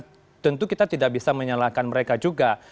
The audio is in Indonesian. dan tentu kita tidak bisa menyalahkan mereka juga